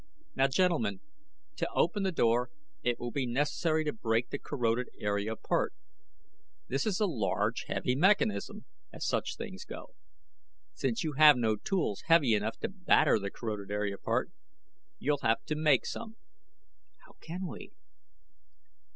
"Now, gentlemen, to open the door it will be necessary to break the corroded area apart. This is a large heavy mechanism, as such things go. Since you have no tools heavy enough to batter the corroded area apart, you'll have to make some." "How can we?"